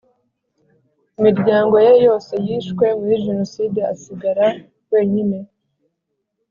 Imiryango ye yose yishwe muri jenoside asigara wenyine